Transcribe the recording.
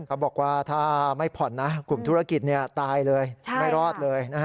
เขาบอกว่าถ้าไม่ผ่อนนะกลุ่มธุรกิจตายเลยไม่รอดเลย